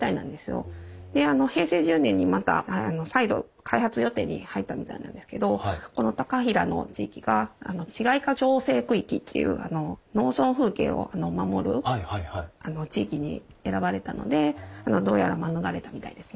であの平成１０年にまた再度開発予定に入ったみたいなんですけどこの高平の地域が市街化調整区域っていう農村風景を守る地域に選ばれたのでどうやら免れたみたいですね。